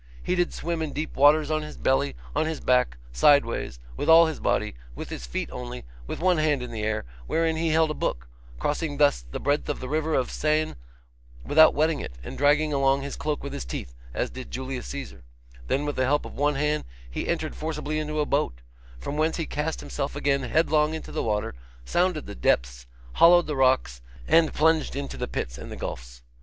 He did swim in deep waters on his belly, on his back, sideways, with all his body, with his feet only, with one hand in the air, wherein he held a book, crossing thus the breadth of the river of Seine without wetting it, and dragged along his cloak with his teeth, as did Julius Caesar; then with the help of one hand he entered forcibly into a boat, from whence he cast himself again headlong into the water, sounded the depths, hollowed the rocks, and plunged into the pits and gulfs.